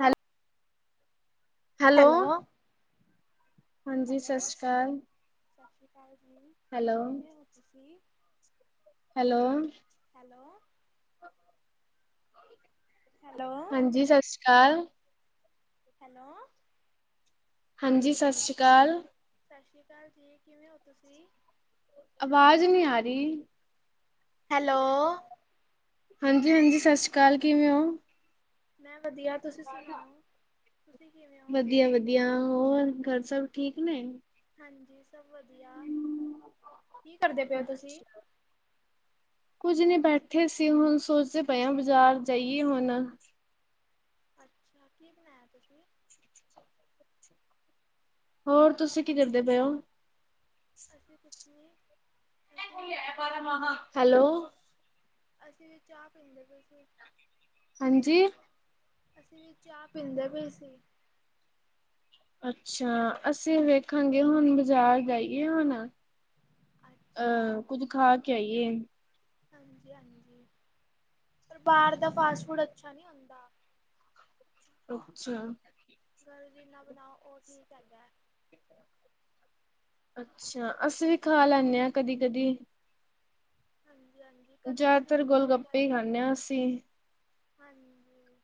ਹੈਲ ਹੈਲੋ, ਹਾਂਜੀ ਸਤਿ ਹੈਲੋ, ਸ਼੍ਰੀ ਅਕਾਲ ਸਤਿ ਸ਼੍ਰੀ ਅਕਾਲ ਜੀ, ਹੈਲੋ ਕਿਵੇਂ ਹੋ ਤੁਸੀਂ ਹੈਲੋ, ਹੈਲੋ, ਹੈਲੋ, ਹਾਂਜੀ, ਸਤਿ ਸ਼੍ਰੀ ਅਕਾਲ ਹੈਲੋ, ਹਾਂਜੀ, ਸਤਿ ਸ਼੍ਰੀ ਅਕਾਲ ਸਤਿ ਸ਼੍ਰੀ ਅਕਾਲ ਜੀ ਕਿਵੇਂ ਹੋ ਤੁਸੀਂ ਆਵਾਜ਼ ਨਹੀਂ ਆ ਰਹੀ, ਹੈਲੋ, ਹਾਂਜੀ, ਹਾਂਜੀ, ਸਤਿ ਸ਼੍ਰੀ ਅਕਾਲ ਕਿਵੇਂ ਓ ਮੈਂ ਵਧੀਆ ਤੁਸੀਂ ਸੁਣਾਓ, ਤੁਸੀਂ ਕਿਵੇਂ ਹੋ? ਵਧੀਆ ਵਧੀਆ ਹੋਰ ਘਰ ਸਭ ਠੀਕ ਨੇ? ਹਾਂਜੀ ਸਭ ਵਧੀਆ, ਕੀ ਕਰਦੇ ਪਏ ਹੋ ਤੁਸੀਂ? ਅੱਛਾ, ਕੁਝ ਨੀ ਬੈਠੇ ਸੀ ਹੁਣ ਸੋਚਦੇ ਪਏ ਆ ਬਾਜ਼ਾਰ ਜਾਈਏ ਹੁਣ, ਅੱਛਾ, ਕੀ ਬਣਾਇਆ ਤੁਸੀਂ? ਹੋਰ ਤੁਸੀਂ ਕੀ ਕਰਦੇ ਪਏ ਓ ਅਸੀਂ ਕੁਛ ਨਹੀਂ, ਪੀਂਦੇ ਹੈਲੋ, ਪਏ ਸੀ। ਅਸੀਂ ਵੀ ਚਾਹ ਪੀਂਦੇ ਪਏ ਸੀ। ਹਾਂਜੀ, ਅਸੀਂ ਵੀ ਚਾਹ ਪੀਂਦੇ ਪਏ ਸੀ। ਅੱਛਾ, ਅਸੀਂ ਵੇਖਾਂਗੇ ਹੁਣ ਬਾਜ਼ਾਰ ਜਾਈਏ ਹੁਣ। ਅੱਛਾ, ਅਹ ਕੁਝ ਖਾ ਕੇ ਆਈਏ, ਹਾਂਜੀ-ਹਾਂਜੀ, ਪਰ ਬਾਹਰ ਦਾ ਫਾਸਟ ਫੂਡ ਅੱਛਾ ਨਹੀਂ ਹੁੰਦਾ ਅੱਛਾ, ਘਰ ਜਿਨਾ ਬਣਾਓ ਉਹ ਸੈਟ ਹੈ, ਅੱਛਾ, ਅਸੀਂ ਵੀ ਖਾ ਲੈਂਦੇ ਹਾਂ ਕਦੀ-ਕਦੀ। ਹਾਂਜੀ-ਹਾਂਜੀ। ਜ਼ਿਆਦਾਤਰ ਗੋਲ ਗੱਪੇ ਈ ਖਾਂਨੇ ਆ ਅਸੀਂ। ਹਾਂਜੀ,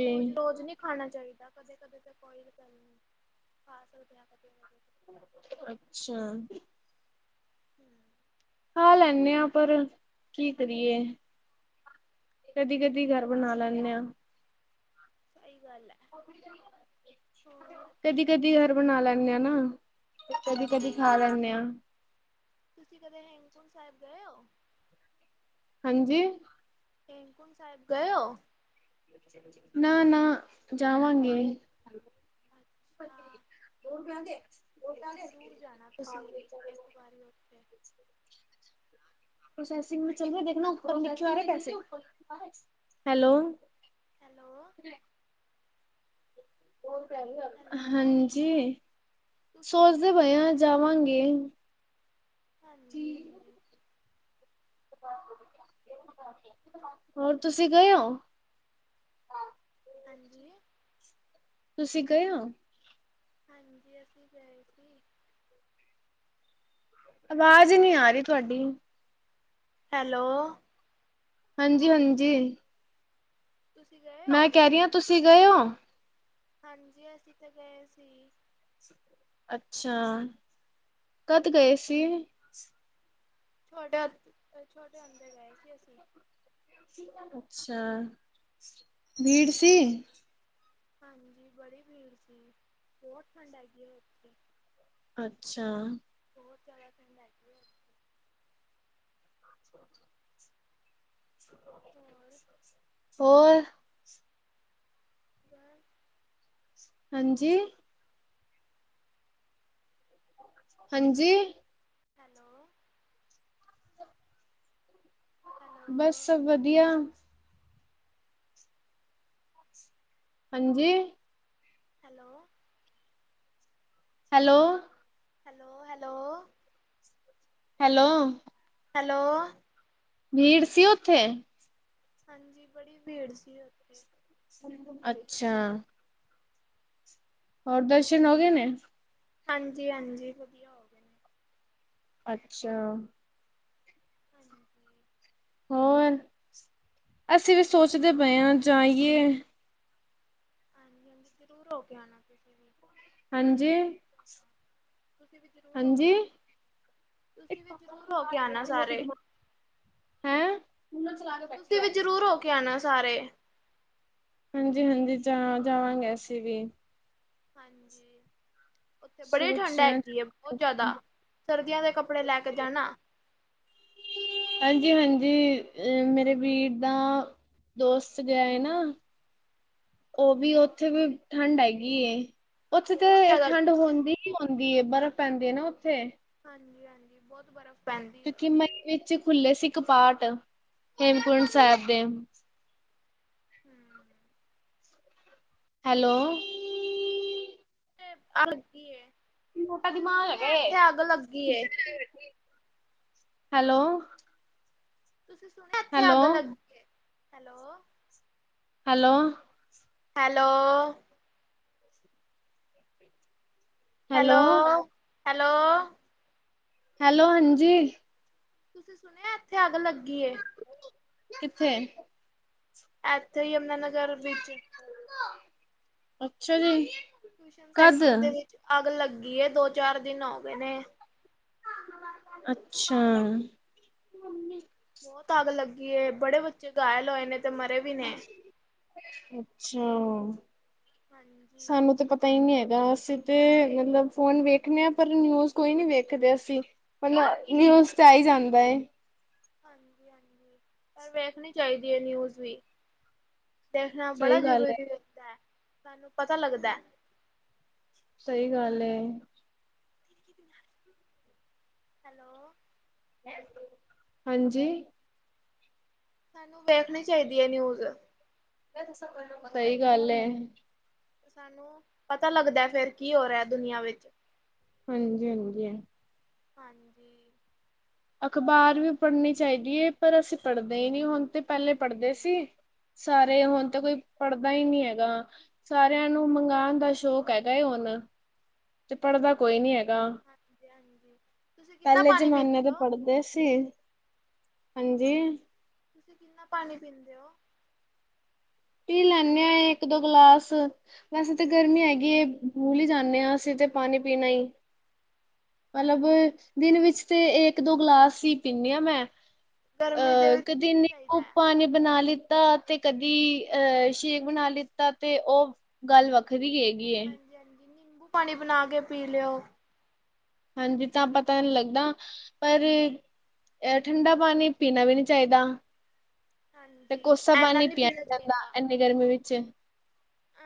ਰੋਜ਼ ਰੋਜ਼ ਨੀ, ਖਾਣਾ ਚਾਹੀਦਾ ਕਦੇ ਕਦੇ ਤਾਂ ਕੋਈ ਗੱਲ ਨੀ ਖਾ ਸਕਦੇ ਹਾ ਕਦੇ ਅੱਛਾ, [inaudible] ਖਾ ਲੈਂਨੇ ਆ ਪਰ, ਕੀ ਕਰੀਏ? ਕਦੀ- ਕਦੀ ਹਾਂਜੀ ਘਰ ਬਣਾ ਲੈਨੇ ਆ। ਸਈ ਗੱਲ ਐ। ਕਦੀ- ਕਦੀ ਘਰ ਬਣਾ ਲੈਂਨੇ ਆਂ ਨਾ, ਕਦੀ- ਹਾਂਜੀ ਕਦੀ ਖਾ ਹਾਂਜੀ ਲੈਂਨੇ ਆ। ਤੁਸੀਂ ਕਦੇ ਹੇਮਕੁੰਟ ਸਾਹਿਬ ਗਏ ਓ? ਹਾਂਜੀ? ਹੇਮਕੁੰਟ ਸਾਹਿਬ ਗਏ ਓ? ਨਾ- ਨਾ ਜਾਵਾਂਗੇ। ਹੋ ਅੱਛਾ ਕ ਦੇ ਜ਼ਰੂਰ [unintelligible] ਜਾਣਾ ਹਾਂ ਤੁਸੀਂ ਇੱਕ ਵਾਰੀ ਉੱਥੇ [unintelligible] [inaudible] ਹੈਲੋ। [unintelligible] ਹੈਲੋ। ਹੈਲੋ ਹਾਂਜੀ। ਤੁਸੀਂ ਉੱਥੇ ਸੋਚਦੇ ਪਏ ਜ਼ਰੂਰ ਆ ਜਾਣਾ ਜਾਵਾਂਗੇ। ਹਾਂਜੀ [inaudible] ਹੋਰ ਤੁਸੀਂ ਗਏ ਓ? ਹਾਂਜੀ। ਤੁਸੀਂ ਗਏ ਹੋ? ਹਾਂਜੀ ਅਸੀਂ ਗਏ ਸੀ। ਆਵਾਜ਼ ਨੀ ਆਰੀ ਤੁਹਾਡੀ। ਹੈਲੋ। ਹਾਂਜੀ-ਹਾਂਜੀ। ਤੁਸੀਂ ਗਏ ਹੋ ਮੈਂ ਕਹਿ ਰਹੀ ਆ ਤੁਸੀਂ ਗਏ ਹੋ? ਹਾਂਜੀ ਅਸੀਂ ਤਾਂ ਗਏ ਸੀ। ਅੱਛਾ, ਕਦ ਗਏ ਸੀ। ਛਹਾਡੇ ਅ ਛੋਟੇ ਅੰਦੇ ਗਏ ਸੀ ਅਸੀਂ। ਅੱਛਾ, ਭੀੜ ਸੀ। ਹਾਂਜੀ, ਬੜੀ ਭੀੜ ਸੀ, ਬਹੁਤ ਠੰਡ ਹੈਗੀ ਆ ਉੱਥੇ। ਅੱਛਾ। ਬਹੁਤ ਜ਼ਿਆਦਾ ਠੰਡ ਹੈਗੀ ਹੈ। [inaudible] ਹੋਰ ਹੋਰ? [inaudible] ਹਾਂਜੀ? ਹ [inaudible] ਹਾਂਜੀ। ਹੈਲੋ। ਬਸ ਹੈਲੋ ਸਭ ਵਧੀਆ। ਹਾਂਜੀ। Hello. Hello. Hello, hello. Hello. Hello. ਭੀੜ ਸੀ ਉੱਥੇ? ਹਾਂਜੀ, ਬੜੀ ਭੀੜ ਸੀ ਉੱਥੇ। ਅੱਛਾ। ਹੋਰ ਦਰਸ਼ਨ ਹੋਗੇ ਨੇ। ਹਾਂਜੀ -ਹਾਂਜੀ ਵਧੀਆ ਹੋ ਗਏ। ਨੇ ਅੱਛਾ। [inaudible] ਹੋਰ, ਅਸੀਂ ਵੀ ਬਸ ਸੋਚਦੇ ਪਏ ਹਾਂ ਜਾਈਏ ਹਾਂਜੀ -ਹਾਂਜੀ ਜ਼ਰੂਰ ਹੋ ਕੇ ਆਉਣਾ ਤੁਸੀਂ ਵੀ ਹਾਂਜੀ ਦਰਸ਼ਨ ਤੁਸੀਂ ਵੀ ਜ਼ਰੂਰ ਹੋ ਕੇ ਹਾਂਜੀ ਆਣਾ ਤੁਸੀਂ ਵੀ ਜ਼ਰੂਰ ਹੋ ਕੇ ਆਣਾ ਸਾਰੇ ਹੈਂ ਤੁਸੀਂ ਵੀ ਜ਼ਰੂਰ ਹੋ ਕੇ ਆਣਾ ਸਾਰੇ ਹਾਂਜੀ -ਹਾਂਜੀ ਜਾ ਜਾਵਾਂਗੇ ਅਸੀਂ ਵੀ ਹਾਂਜੀ ਉੱਥੇ ਬੜੀ ਸੋਚ ਠੰਢ ਰਹੇ ਹੈਗੀ ਹੈ ਬਹੁਤ ਜ਼ਿਆਦਾ ਹਾਂ। ਸਰਦੀਆਂ ਦੇ ਕੱਪੜੇ ਲੈ ਕੇ ਜਾਣਾ ਹਾਂਜੀ -ਹਾਂਜੀ ਅ ਮੇਰੇ ਵੀਰ ਦਾ ਦੋਸਤ ਗਿਆ ਹੈ ਨਾ ਉਹ ਵੀ ਹੋਰ ਉੱਥੇ ਵੀ ਠੰਡ ਹੈਗੀ, ਉੱਥੇ ਬਹੁਤ ਤੇ ਜ਼ਿਆਦਾ ਠੰਡ ਹੈ। ਹੁੰਦੀ ਆਉਂਦੀ ਬਰਫ਼ ਪੈਂਦੀ ਹੈ ਨਾ ਉੱਥੇ ਹਾਂਜੀ -ਹਾਂਜੀ ਬਹੁਤ ਬਰਫ਼ ਪੈਂਦੀ ਹੈ ਕਿਉਂਕਿ, ਉੱਥੇ ਮਾਈ ਵਿੱਚ ਖੁੱਲ੍ਹੇ ਸੀ ਕਪਾਠ ਹੇਮਕੁੰਟ ਸਾਹਿਬ ਦੇ ਹੂੰ-ਹੂੰ। ਹੈਲੋ [inaudible] ਮੋਟਾ ਤੁਸੀਂ ਦਿਮਾਗ ਸੁਣਿਆ ਇੱਥੇ ਅੱਗ ਲੱਗੀ ਹੈਗਾ ਏ। ਹੈਲੋ ਤੁਸੀਂ ਸੁਣਿਆ, ਇੱਥੇ ਅੱਗ ਲੱ ਹੈਲੋ। ਗ hello hello hello [inaudible] hello hello hello, ਹਾਂਜੀ ਤੁਸੀਂ ਸੁਣਿਆ, ਇੱਥੇ ਅੱਗ ਲੱਗੀ ਏ। ਕਿੱਥੇ ਇੱਥੇ ਯਮੁਨਾ ਨਗਰ ਵਿਚ ਅਛਾ ਜੀ ਟਿਊਸ਼ਨ ਕਦ ਸੈਂਟਰ ਦੇ ਵਿਚ ਅੱਗ ਲੱਗੀ ਦੋ ਚਾਰ ਦਿਨ ਹੋ ਗਏ ਨੇ ਅਛਾ ਬਹੁਤ ਅੱਗ ਲੱਗੀ ਬੜੇ ਬੱਚੇ ਘਾਇਲ ਹੋਏ ਨੇ ਤੇ ਮਰੇ ਵੀ ਨੇ ਅਛਾ ਹਾਂਜੀ ਸਾਨੂੰ ਤਾਂ ਪਤਾ ਹੀ ਨਹੀਂ ਹੈਗਾ ਅਸੀਂ ਤੇ ਮਤਲਬ ਫੋਨ ਵੇਖਣੇ ਹਾਂ ਪਰ ਨਿਊਜ਼ ਕੋਈ ਨੀ ਵੇਖਦੇ ਅਸੀਂ ਮਤਲਬ ਨਿਊਜ਼ ਤੇ ਆ ਹੀ ਜਾਂਦਾ ਹਾਂਜੀ -ਹਾਂਜੀ ਪਰ ਵੇਖਣੀ ਚਾਹੀਦੀ ਹੈ ਨਿਊਜ਼ ਵੀ ਦੇਖਣਾ ਬੜਾ ਸਹੀ ਗੱਲ ਜ਼ਰੂਰੀ ਏ ਹੁੰਦਾ ਹੈ ਸਾਨੂੰ ਪਤਾ ਲੱਗਦਾ ਹੈ। ਸਹੀ ਗੱਲ ਹੈਲੋ ਹਾਂਜੀ ਸਾਨੂੰ ਵੇਖਣੀ ਚਾਹੀਦੀ ਹੈ ਨਿਊਜ਼ ਸਹੀ ਗੱਲ ਹੈ ਸਾਨੂੰ ਪਤਾ ਲੱਗਦਾ, ਫੇਰ ਕੀ ਹੋ ਰਿਹਾ ਦੁਨੀਆਂ ਵਿੱਚ ਹਾਂਜੀ- ਹਾਂਜੀ ਹੈ। ਹਾਂਜੀ। ਅਖ਼ਬਾਰ ਵੀ ਪੜ੍ਹਨੀ ਚਾਹੀਦੀ ਹੈ। ਪਰ ਅਸੀ ਪੜ੍ਹਦੇ ਹੀ ਨਹੀ ਹੁਣ ਤੇ ਪਹਿਲੇ ਪੜ੍ਹਦੇ ਹਾਂਜੀ, ਸੀ। ਸਾਰੇ ਹੁਣ ਤਾਂ ਕੋਈ ਪੜ੍ਹਦਾ ਹੀ ਨਹੀ ਹੈਗਾ ਸਾਰਿਆਂ ਨੂੰ ਮੰਗਉਣ ਦਾ ਸ਼ੌਕ ਹੈਗਾ ਏ ਹੁਣ ਤੇ ਪੜ੍ਹਦਾ ਕੋਈ ਨੀ ਹੈਗਾ ਹਾਂਜੀ, ਹਾਂਜੀ। ਤੁਸੀਂ ਕਿੰਨਾ ਪਹਿਲੇ ਪਾਣੀ ਜਮਾਨੇ ਪੀਂਦੇ ਦੇ ਹੋ? ਦੇਸੀ ਹਾਂਜੀ। ਤੁਸੀ, ਕਿੰਨਾ ਪਾਣੀ ਪੀਂਦੇ ਹੋ? ਪੀ ਲੈਂਨੇ ਆ, ਇਕ-ਦੋ ਗਲਾਸ। ਵੈਸੇ ਤੇ ਗਰਮੀ ਹੈਗੀ ਏ, ਭੁਲ ਹੀ ਜਾਂਨੇ ਆ, ਅਸੀ ਤਾ ਪਾਣੀ ਪੀਣਾ ਈ। [inaudible] ਮਤਲਬ ਹਾਂਜੀ। ਦਿਨ ਵਿਚ ਤੇ, ਏਕ-ਦੋ ਗਲਾਸ ਹੀ ਪੀਂਨੀ ਆ, ਮੈਂ। ਗਰਮੀ ਦੇ ਅਹ ਵਿੱਚ ਕਦੀ ਪੀਣਾ ਨਿੰਬੁ ਚਾਹੀਦਾ ਹੈ ਪਾਨੀ ਬਣਾ ਲਿੱਤਾ, ਤੇ ਕਦੀ ਅਹ ਸ਼ੇਕ ਬਣਾ ਲਿੱਤਾ, ਤੇ ਉਹ ਗੱਲ ਵੱਖਰੀ ਏ। ਹੈਗੀ ਹਾਂਜੀ-ਹਾਂਜੀ। ਨਿੰਬੂ ਪਾਣੀ ਬਣਾਕੇ ਪੀ ਲਿਓ। ਹਾਂਜੀ, ਤਾਂ ਪਤਾ ਨਹੀ ਲੱਗਦਾ, ਪਰ ਇਹ ਠੰਡਾ ਪਾਨੀ ਪੀਣਾ ਵੀ ਨੀ ਚਾਹੀਦਾ। ਤੇ ਹਾਂਜੀ ਕੋਸਾ ਇਨਾ ਪਾਣੀ ਨਹੀਂ ਪਿਆ ਪੀਣਾ ਨੀ ਜਾਂਦਾ, ਇੰਨੀ ਗਰਮੀ ਵਿੱਚ।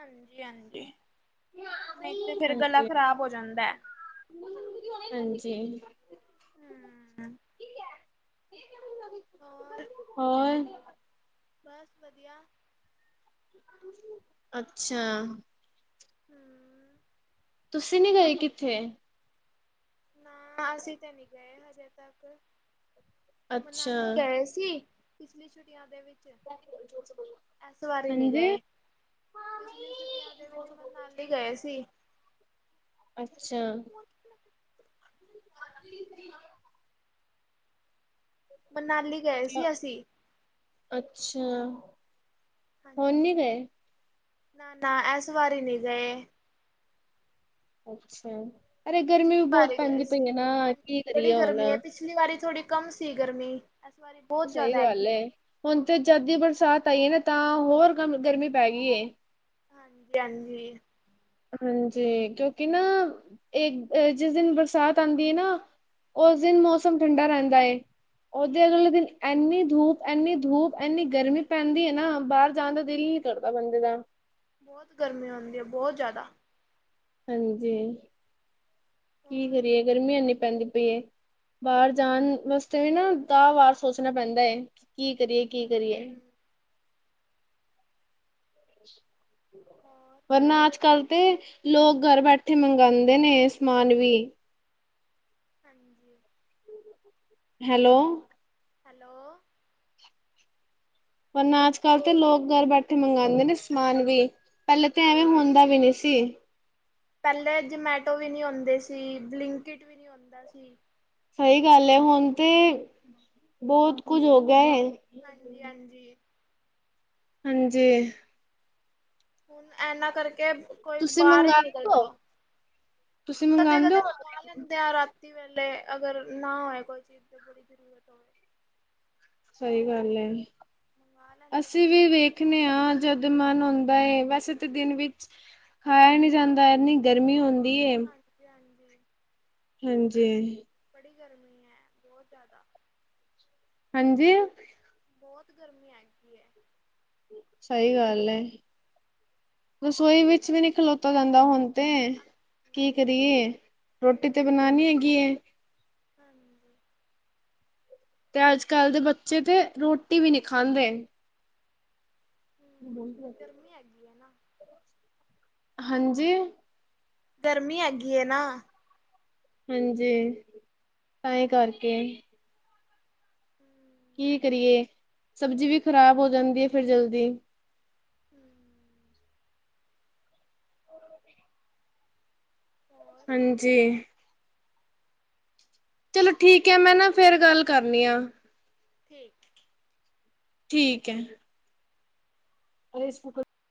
ਆਂਜੀ-ਆਂਜੀ, ਨਹੀ ਤੇ ਫੇਰ ਗਲਾ ਹਾਂਜੀ ਖ਼ਰਾਬ ਹੋ ਜਾਂਦਾ‌। ਹਾਂਜੀ। ਹਮ ਹੋਰ ਹੋਰ ਬਸ ਵਧੀਆ। ਅਛਾ। ਹੂੰ। ਤੁਸੀ ਨੀ ਗਏ ਕਿੱਥੇ? ਨਾ, ਅਸੀ ਤੇ ਨਹੀ ਗਏ ਹਜੇ ਤੱਕ, ਅੱਛਾ ਮਨਾਲੀ ਗਏ ਤੁਸੀ, ਪਿਛਲੀ ਛੁੱਟੀਆਂ ਦੇ ਵਿਚ ਇਸ ਵਾਰੀ ਨੀ ਹਾਂਜੀ ਗਏ‌। ਪਿਛਲੀ ਛੁੱਟੀਆਂ ਦੇ ਵਿੱਚ ਮਨਾਲੀ ਗਏ ਸੀ। ਅੱਛਾ। [inaudible] ਮਨਾਲੀ ਗਏ ਸੀ, ਅਸੀ। ਅਛਾ। ਹਾਂਜੀ, ਨਾ-ਨਾ ਐਸ ਵਾਰੀ ਨਹੀ ਗਏ। ਅਛਾ, ਅਰੇ ਗਰਮੀ ਪਿਛਲੀ ਵੀ ਬਹੁਤ ਵਾਰੀ ਗਏ ਪੈਂਦੀ ਪਈ ਏ ਸੀ। ਨਾ, ਕੀ ਹਾਂਜੀ ਬੜੀ ਕਰੀਏ ਹੁਨ। ਗਰਮੀ ਹੈ ਪਿਛਲੀ ਵਾਰੀ ਥੋੜੀ ਕਮ ਸੀ, ਗਰਮੀ। ਐਸ ਵਾਰੀ ਬਹੁਤ ਸਹੀ ਜ਼ਿਆਦਾ ਹੈਗੀ। ਗੱਲ ਐ, ਹੁਣ ਤੇ ਜਦ ਦੀ ਬਰਸਾਤ ਆਈ ਏ ਨਾ, ਤਾਂ ਹੋਰ ਗਮ, ਗਰਮੀ ਪੈ ਗਈ ਏ‌। ਹਾਂਜੀ-ਹਾਂਜੀ। ਹਾਂਜੀ, ਕਿਉਕਿ ਨਾ, ਇੱਕ ਜਿਸ ਦਿਨ ਬਰਸਾਤ ਆਂਦੀ ਏ, ਨਾ ਉਸ ਦਿਨ ਮੌਸਮ ਠੰਡਾ ਰਹਿੰਦਾ ਏ, ਓਹਦੇ ਅਗਲੇ ਦਿਨ ਐਨੀ ਧੂਪ, ਐੰਨੀ ਧੂਪ ਐਂਨੀ ਗਰਮੀ ਪੈਂਦੀ ਏ ਨਾ, ਬਾਹਰ ਜਾਣ ਦਾ ਦਿਲ ਨੀ ਕਰਦਾ ਬੰਦੇ ਦਾ। ਬਹੁਤ ਗਰਮੀ ਹੁੰਦੀ ਹੈ, ਬਹੁਤ ਜ਼ਿਆਦਾ। ਹਾਂਜੀ, ਕੀ ਹੋਰ ਕਰੀਏ ਗਰਮੀ ਐਨੀ ਪੈਂਦੀ ਪਈਏ। ਬਾਹਰ ਜਾਣ ਵਾਸਤੇ ਵੀ ਨਾ, ਦਾਹ ਵਾਰ ਸੋਚਣਾ ਪੈਂਦਾ ਏ, ਕੀ ਕਰੀਏ, ਕੀ ਕਰੀਏ। ਹੂੰ ਹ [inaudible] ਹੋਰ ਪਰ ਨਾ ਅੱਜ-ਕੱਲ ਤੇ, ਲੋਕ ਘਰ ਬੈਠੇ ਮੰਗਾਂਦੇ ਨੇ ਸਮਾਨ ਵੀ। ਹਾਂਜੀ, ਹਾਂ ਹੈਲੋ। ਹੈਲੋ! ਪਰਨਾ ਅੱਜ-ਕੱਲ ਤੇ ਲੋਕ, ਘਰ ਬੈਠੇ ਮੰਗਾਂਦੇ ਨੇ, ਸਮਾਨ ਵੀ। ਪਹਿਲੇ ਤੇ, ਐਵੇਂ ਹੁੰਦਾ ਵੀ ਨਹੀਂ ਸੀ। ਹਾਂਜੀ-ਹਾਂਜੀ। ਪਹਿਲੇ ਜਮੈਟੋ ਵੀ ਨਹੀਂ ਹੋਂਦੀ ਸੀ, ਬਲਿੰਕੀਟ ਵੀ ਨਹੀਂ ਹੋਂਦਾ ਸੀ। ਸਹੀ ਗੱਲ ਐ ਹੁਣ ਤੇ, ਬਹੁਤ ਕੁਝ ਹੋਗਿਆ ਏ। ਹਾਂਜੀ-ਹਾਂਜੀ। ਹਾਂਜੀ! ਹੁਣ, ਐਨਾਂ ਕਰਕੇ ਕੋਈ ਤੁਸੀਂ ਬਾਹਰ ਹੀ ਮੰਗਵਾਦੇ ਨਿਕਲਦਾ, ਹੋ ਤੁਸੀਂ ਮੰਗਵਾਉਂਦੇ ਕਦੇ-ਕਦੇ ਹੋ ਮੰਗਾ ਲੈਂਦੇ ਆ, ਰਾ ਵੇਲੇ ਅਗਰ ਨਾ ਹੋਵੇ ਕੋਈ ਚੀਜ਼ ਦੀ ਬੜੀ ਜ਼ਰੂਰਤ ਹੋਵੇ ਸਹੀ ਗੱਲ ਹੈ, ਮੰਗਵਾ ਲੈਂਦੇ ਆ ਅਸੀਂ ਫਿਰ ਵੀ ਵੇਖ ਦੇਖਣੇ ਹਾਂ ਜਦ ਮਨ ਆਉਂਦਾ ਹੈ ਵੈਸੇ ਤਾਂ ਦਿਨ ਵਿੱਚ ਖਾਇਆ ਨੀ ਜਾਂਦਾ ਇਨੀ ਗਰਮੀ ਹੁੰਦੀ ਏ ਹਾਂਜੀ-ਹਾਂਜੀ। ਹਾਂਜੀ। ਬੜੀ ਗਰਮੀ ਹੈ ਬਹੁਤ ਜ਼ਿਆਦਾ। ਹਾਂਜੀ। ਬਹੁਤ ਗਰਮੀ ਆ ਹੈਗੀ ਹੈ। ਸਹੀ ਗੱਲ ਆ, ਰਸੋਈ ਵਿੱਚ ਵੀ ਨਹੀਂ ਖਲੋਤਾ ਜਾਂਦਾ ਹੁਣ, ਤੇ, ਕੀ ਹਾਂਜੀ ਕਰੀਏ, ਰੋਟੀ ਤੇ ਬਣਾ ਨੀ ਹੈਗੀ ਏ। ਹਾਂਜੀ। ਤੇ ਅੱਜ ਕੱਲ੍ਹ ਦੇ ਬੱਚੇ ਤੇ ਰੋਟੀ ਵੀ ਨਹੀਂ ਖਾਂਦੇ। ਹੂੰ, ਗਰਮੀ ਹੈਗੀ ਹੈ ਨਾ। ਹਾਂਜੀ, ਗਰਮੀ ਹੈਗੀ ਹੈ ਨਾ। ਹਾਂਜੀ, ਤਾਈ ਕਰਕੇ, [unintelligible] ਕੀ ਕਰੀਏ, ਸਬਜ਼ੀ ਵੀ ਖ਼ਰਾਬ ਹੋ ਜਾਂਦੀ ਹੈ ਫੇਰ ਜਲਦੀ, [unintelligible] ਹੋਰ ਹਾਂਜੀ ਚਲੋ ਠੀਕ ਹੈ ਮੈਂ ਨਾ ਫੇਰ ਗੱਲ ਕਰਨੀ ਆ। ਠੀਕ ਆ। ਠੀਕ ਹੈ। ਫੇਸਬੁੱਕ,